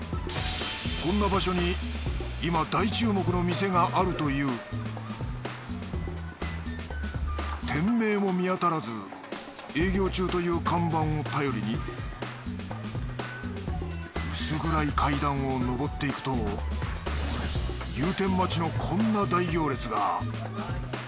こんな場所に今大注目の店があるという店名も見当たらず営業中という看板を頼りに薄暗い階段を上っていくと入店待ちのこんな大行列が。